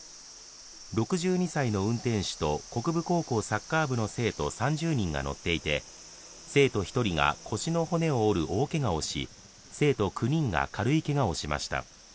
６２歳の運転手と国分高校サッカー部の生徒３０人が乗っていて、生徒１人が腰の骨を折る大けがをし生徒９人が軽いけがをしました。